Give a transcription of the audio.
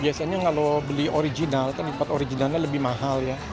biasanya kalau beli original kan lipat originalnya lebih mahal ya